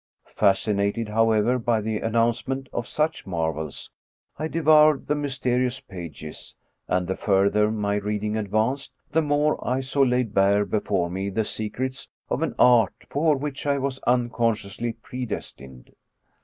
Fascinated, however, by the announcement of such marvels, I devoured the mysterious pages, and the further my reading advanced, the more I saw laid bare be fore me the secrets of an art for which I was unconsciously predestined.